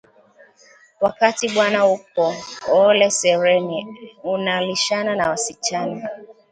wakati bwana uko Ole Sereni unalishana na wasichana